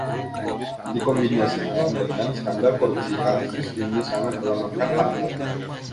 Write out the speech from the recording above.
Dikombinasikan dengan skandal korupsi, kasus ini sangat melemahkan partai.